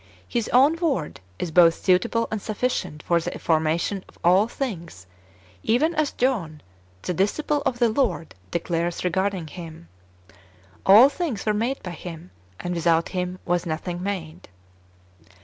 His own Word is both suitable and sufficient for the formation of all things, even as John, the disciple of the Lord, declares regarding Him :" All things w^ere made by Him, and without Him was nothing made."